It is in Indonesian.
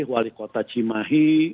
wali kota cimahi